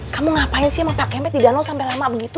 kamu ngapain sih sama pak kempet di danau sampai lama begitu